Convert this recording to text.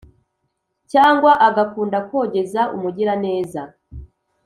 cyangwa agakunda kogeza umugiraneza.